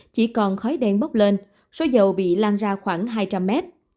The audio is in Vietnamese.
chỉ còn khói đen bốc lên số dầu bị lan ra khoảng hai trăm linh mét